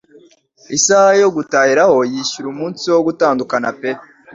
Isaha yo gutahiraho yishyura umunsi wo gutandukana pe